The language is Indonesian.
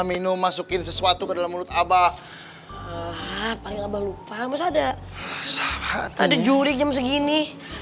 minum masukin sesuatu ke dalam mulut abah paling abah lupa mas ada juri jam segini